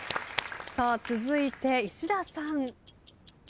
続いて石田さん。